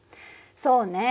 そうね。